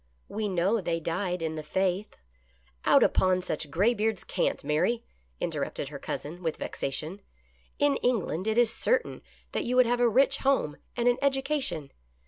We know they died in the faith." " Out upon such graybeard's cant, Mary! " interrupted her cousin with vexation. " In England it is certain that you would have a rich home and an education.